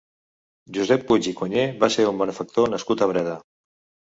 Josep Puig i Cunyer va ser un benefactor nascut a Breda.